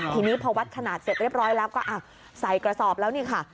ทีนี้พอวัดขนาดเสร็จเรียบร้อยแล้วก็ใส่กระสอบแล้วนี่ค่ะ